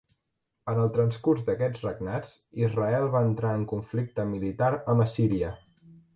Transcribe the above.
En el transcurs d'aquests regnats, Israel va entrar en conflicte militar amb Assíria.